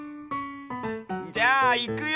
じゃあいくよ。